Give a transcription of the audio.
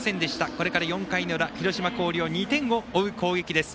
これから４回の裏、広島・広陵２点を追う攻撃です。